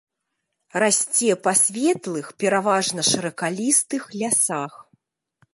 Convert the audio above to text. Расце па светлых, пераважна шыракалістых лясах.